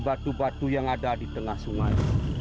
batu batu yang ada di tengah sungai